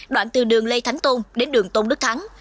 đoạn từ đường lê thánh tôn đến đường tôn đức thắng